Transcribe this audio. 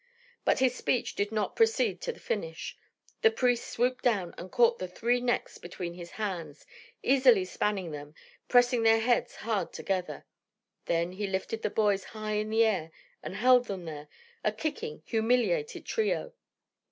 But his speech did not proceed to the finish. The priest swooped down and caught the three necks between his hands, easily spanning them, pressing the heads hard together. Then he lifted the boys high in the air and held them there, a kicking, humiliated trio.